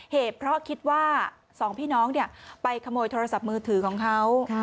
เหตุเพราะคิดว่าสองพี่น้องไปขโมยโทรศัพท์มือถือของเขา